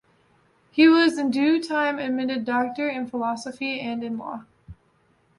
He was in due time admitted doctor in philosophy and in law.